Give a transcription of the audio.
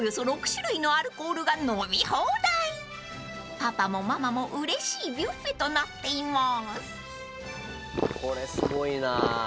［パパもママもうれしいビュッフェとなっています］